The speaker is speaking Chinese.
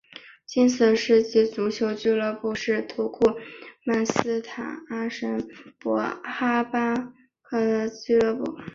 金色世纪足球俱乐部是土库曼斯坦阿什哈巴德足球俱乐部。